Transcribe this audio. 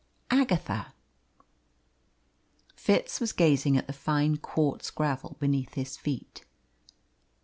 "Agatha." Fitz was gazing at the fine quartz gravel beneath his feet.